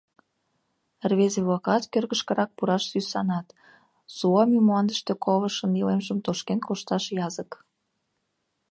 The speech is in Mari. Рвезе-влакат кӧргышкырак пураш сӱсанат — Суоми мландыште колышын илемжым тошкен кошташ язык.